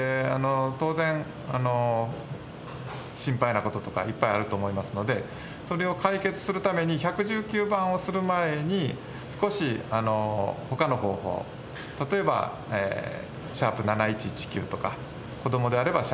当然、心配なこととかいっぱいあると思いますので、それを解決するために、１１９番をする前に、少し、ほかの方法、例えば＃７１１９番とか、子どもであれば＃